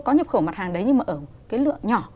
có nhập khẩu mặt hàng đấy nhưng mà ở cái lượng nhỏ